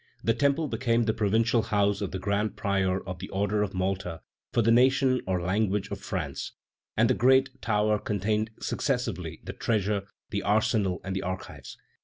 The Temple became the provincial house of the grand prior of the Order of Malta for the nation or language of France, and the great tower contained successively the treasure, the arsenal, and the archives.